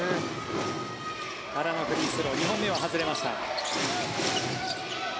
原のフリースロー２本目は外れました。